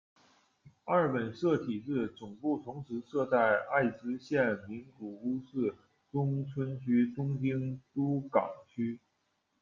二本社体制，总部同时设在爱知県名古屋市中村区、东京都港区。